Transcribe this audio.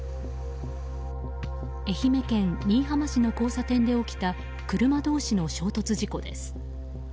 愛媛県新居浜市の交差点で起きた車同士の衝突事故です。